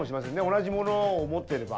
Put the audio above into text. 同じ物を持ってれば。